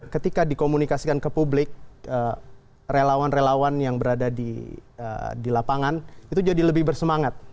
ketika dikomunikasikan ke publik relawan relawan yang berada di lapangan itu jadi lebih bersemangat